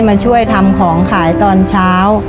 มาช่วยทำของขายตอนเช้า